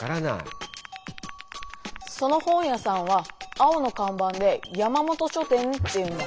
その本屋さんは青のかんばんで山本書店っていうんだ。